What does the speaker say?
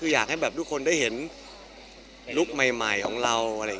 อยากให้ทุกคนได้เห็นลุคใหม่ของเรา